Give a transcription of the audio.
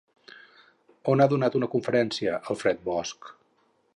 On ha donat una conferència Alfred Bosch?